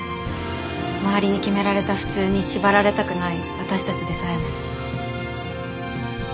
周りに決められた普通に縛られたくない私たちでさえも。